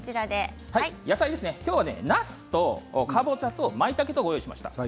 野菜は今日は、なすとかぼちゃと、まいたけをご用意しました。